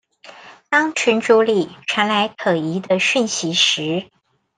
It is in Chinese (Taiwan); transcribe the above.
當群組裡傳來可疑的訊息時